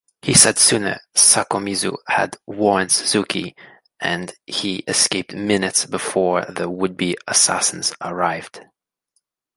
Hisatsune Sakomizu had warned Suzuki, and he escaped minutes before the would-be assassins arrived.